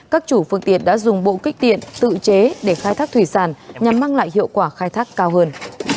các chủ phương tiện đã dùng bộ kích tiện tự chế để khai thác thủy sản nhằm mang lại hiệu quả khai thác cao hơn